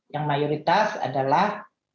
yang mayoritas adalah